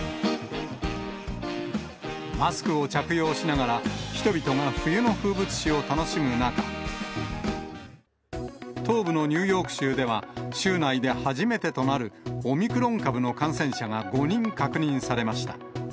マスクを着用しながら、人々が冬の風物詩を楽しむ中、東部のニューヨーク州では、州内で初めてとなる、オミクロン株の感染者が５人確認されました。